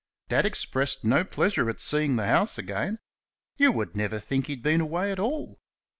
Dad expressed no pleasure at seeing the house again you would never think he had been away at all.